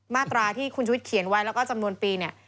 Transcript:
มาตราที่คุณชุวิตเขียนไว้แล้วก็จำนวนปีเนี่ย